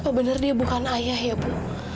apa bener dia bukan ayah ya bu